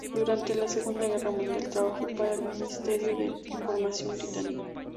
Durante la Segunda Guerra Mundial, trabajó para el Ministerio de Información Británico.